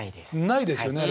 ないですよね